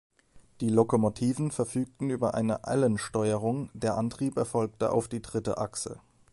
Die Lokomotiven verfügten über eine Allan-Steuerung, der Antrieb erfolgte auf die dritte Achse.